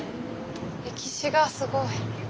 歴史がすごい。